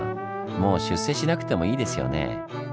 もう出世しなくてもいいですよね？